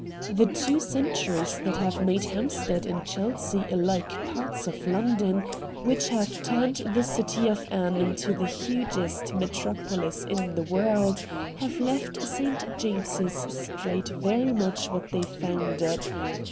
The two centuries that have made Hampstead and Chelsea alike parts of London, which have turned the city of Anne into the hugest metropolis in the world, have left St. James's Street very much what they found it.